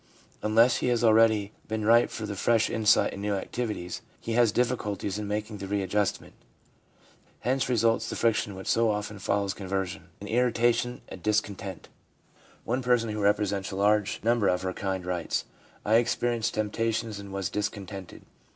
Unless he has already been ripe for the fresh insight and new activities, he has difficulty in making the readjustment. Hence results the friction which so often follows conversion — an irrita tion, a discontent. One person who represents a large 384 THE PSYCHOLOGY OF RELIGION number of her kind writes :* I experienced temptations and was discontented.